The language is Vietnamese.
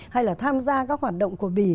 hay là tham gia các hoạt động của bỉ